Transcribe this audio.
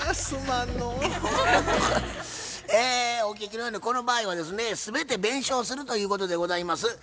お聞きのようにこの場合はですね全て弁償するということでございます。